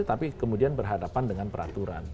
tapi kemudian berhadapan dengan peraturan